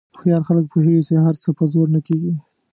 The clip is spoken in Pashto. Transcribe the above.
هوښیار خلک پوهېږي چې هر څه په زور نه کېږي.